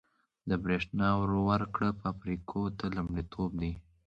د بریښنا ورکړه فابریکو ته لومړیتوب دی